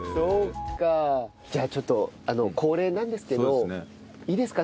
じゃあちょっとあの恒例なんですけどいいですか？